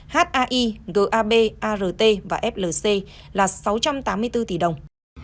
haii gab art và flc là sáu trăm tám mươi bốn tỷ đồng